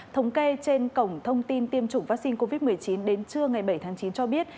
thống kê trên cổng thông tin tiêm chủng vaccine covid một mươi chín đến trưa ngày bảy tháng chín cho biết